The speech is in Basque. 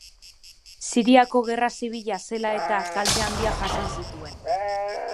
Siriako Gerra Zibila zela eta, kalte handiak jasan zituen.